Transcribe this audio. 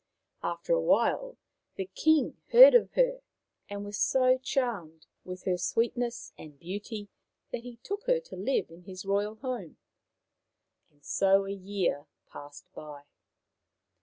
After a while the king heard of her, and was so charmed with her sweetness and beauty that he took her to live in his royal home. So a year passed by.